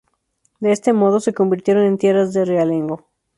De este modo, se convirtieron en tierras de realengo.